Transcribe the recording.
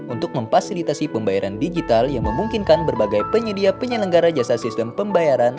untuk memfasilitasi pembayaran digital yang memungkinkan berbagai penyedia penyelenggara jasa sistem pembayaran